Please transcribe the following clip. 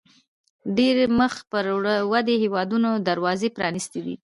ډېری مخ پر ودې هیوادونو دروازې پرانیستې دي.